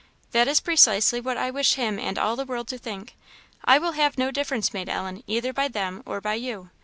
"That is precisely what I wish him and all the world to think. I will have no difference made, Ellen, either by them or by you.